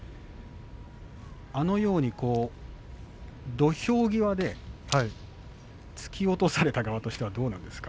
あのように土俵際で突き落とされた側としてはどうなんですか？